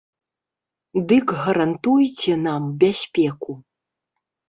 Дык гарантуйце нам бяспеку.